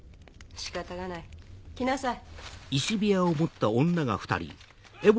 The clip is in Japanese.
仕方がない来なさい。